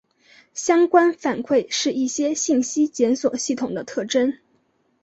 相关反馈是一些信息检索系统的特征。